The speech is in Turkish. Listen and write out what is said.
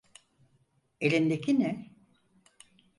Elindeki ne?